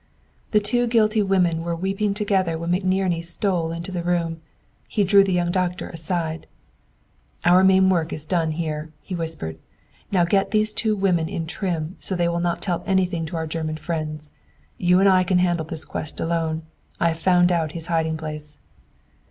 The two guilty women were weeping together when McNerney stole into the room. He drew the young doctor aside. "Our main work is done here," he whispered. "Now get these two women in trim so they will not tell anything to our German friends. You and I can handle this quest alone. I've found out his hiding place!"